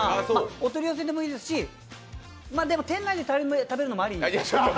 お取り寄せでもいいですし、でも店内で食べるのもあり？